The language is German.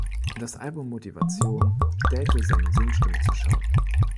Das Album „Motivation“ stellte seine Singstimme zur Schau.